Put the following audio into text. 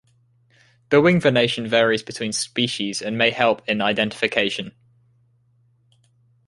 The wing venation varies between species and may help in identification.